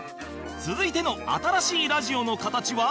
続いての新しいラジオの形は